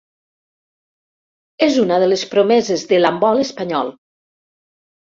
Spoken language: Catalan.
És una de les promeses de l'handbol espanyol.